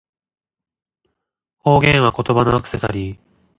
方言は、言葉のアクセサリー